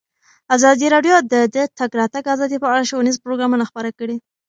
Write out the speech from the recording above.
ازادي راډیو د د تګ راتګ ازادي په اړه ښوونیز پروګرامونه خپاره کړي.